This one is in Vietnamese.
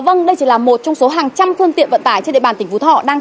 vâng đây chỉ là một trong số hàng trăm phương tiện vận tải trên địa bàn tỉnh phú thọ đang